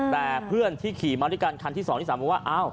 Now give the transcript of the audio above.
แต่เพื่อนที่ขี่มาด้วยกันคันที่๒ที่๓บอกว่า